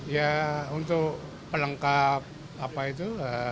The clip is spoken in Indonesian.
ya untuk pelengkap apa itu